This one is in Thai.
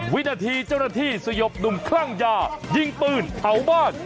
วินาทีเจ้าหน้าที่สยบหนุ่มคลั่งยายิงปืนเผาบ้าน